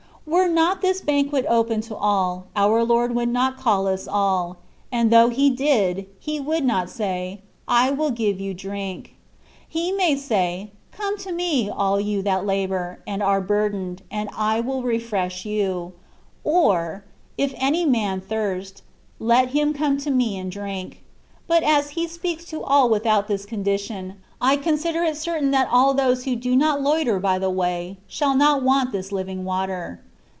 Were not this banquet open to all, our Lord would not cajl us all ; and though He did. He would not say, " I will give you to drink.^' He might say, ^^ Come to me, all you that labour, and are burdened, and I will refresh you;'^ or,^^If any man thirst, let him come to me and drink.^^ But as He speaks to all without this condition, I consider it certain that all those who do not loiter by the way shall not want this living water.